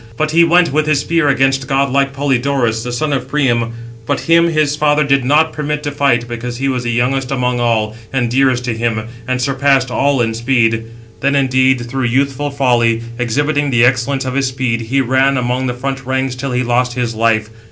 But he went with his spear against godlike Polydorus, 666 the son of Priam; but him his father did not permit to fight, because he was the youngest among all, and dearest to him, and surpassed all in speed. Then, indeed, through youthful folly, exhibiting the excellence of his speed, he ran among the front ranks till he lost his life.